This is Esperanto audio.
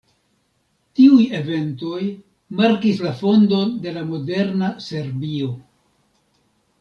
Tiuj eventoj markis la fondon de la moderna Serbio.